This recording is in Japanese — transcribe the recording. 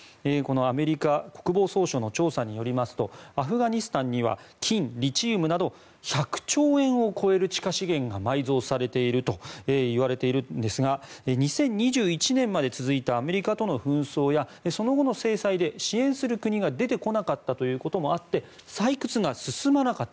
アメリカ国防総省の調査によりますとアフガニスタンには金、リチウムなど１００兆円を超える地下資源が埋蔵されているといわれているんですが２０２１年まで続いたアメリカとの紛争やその後の制裁で支援する国が出てこなかったこともあって採掘が進まなかった。